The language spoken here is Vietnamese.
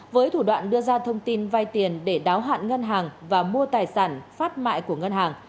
với thủ đoạn đưa ra thông tin vay tiền để đáo hạn ngân hàng và mua tài sản phát mại của ngân hàng